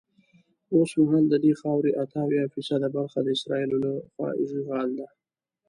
اوسمهال ددې خاورې اته اویا فیصده برخه د اسرائیلو له خوا اشغال ده.